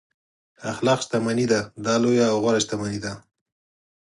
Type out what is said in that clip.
اخلاق شتمني ده دا لویه او غوره شتمني ده.